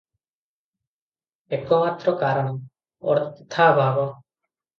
ଏକମାତ୍ର କାରଣ - ଅର୍ଥାଭାବ ।